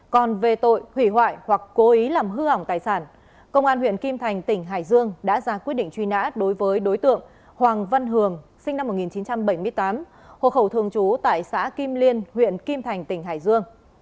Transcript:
còn về tội hủy hoại hoặc cố ý làm hư hỏng tài sản công an huyện kim thành tỉnh hải dương đã ra quyết định truy nã đối với đối tượng hoàng văn hường sinh năm một nghìn chín trăm bảy mươi tám hộ khẩu thường trú tại xã kim liên huyện kim thành tỉnh hải dương